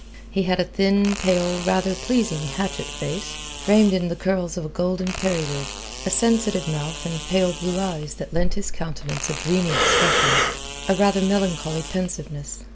He had a thin, pale, rather pleasing hatchet face, framed in the curls of a golden periwig, a sensitive mouth and pale blue eyes that lent his countenance a dreamy expression, a rather melancholy pensiveness.